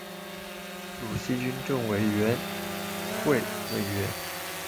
鲁西军政委员会委员。